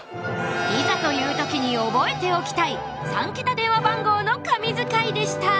いざという時に覚えておきたい３桁電話番号の神図解でした